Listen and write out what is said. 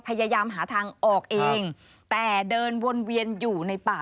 พยายามหาทางออกเองแต่เดินวนเวียนอยู่ในป่า